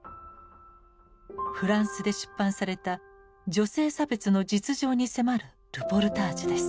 フランスで出版された女性差別の実情に迫るルポルタージュです。